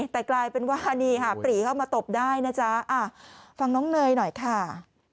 แต่กลายเป็นว่านี่ค่ะปรีเข้ามาตบได้นะจ๊ะฟังน้องเนยหน่อยค่ะ